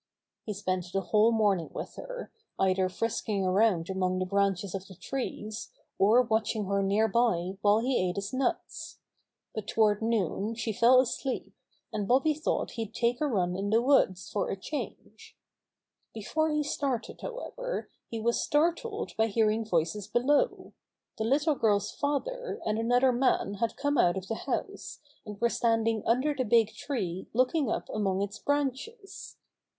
He spent the whole morning with her, either frisking around among the branches of the trees, or watching her nearby while he ate his The Big Tree Is to Be Cut Down 59 nuts. But toward noon she fell asleep, and Bobby thought he'd take a run in the woods for a change. Before he started, however, he was startled by hearing voices below. The little girl's father and another man had come out of the house, and were standing under the big tree looking up among its banches.